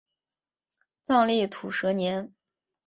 藏历土蛇年。